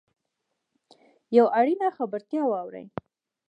یوه اړینه خبرتیا واورﺉ .